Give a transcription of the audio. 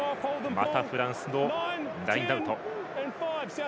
またフランスのラインアウト。